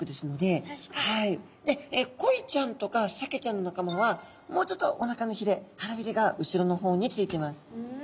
でコイちゃんとかサケちゃんの仲間はもうちょっとおなかのひれ腹びれが後ろの方についてます。